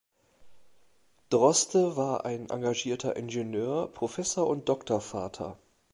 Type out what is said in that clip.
Droste war ein engagierter Ingenieur, Professor und Doktorvater.